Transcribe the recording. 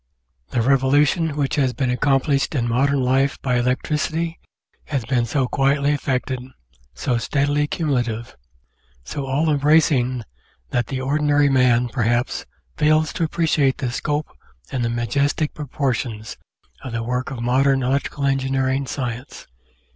The revolution which has been accomplished in modern life by electricity has been so quietly effected, so steadily cumulative, so all embracing that the ordinary man, perhaps, fails to ap preciate the scope and the majestic proportions of the work of modern electrical engineering science.